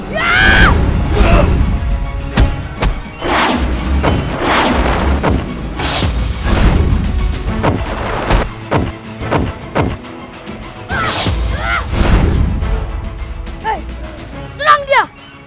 hei serang dia